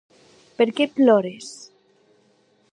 Per qué plores?